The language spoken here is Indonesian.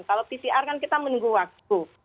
kalau pcr kan kita menunggu waktu